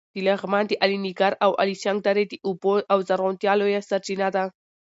د لغمان د الینګار او الیشنګ درې د اوبو او زرغونتیا لویه سرچینه ده.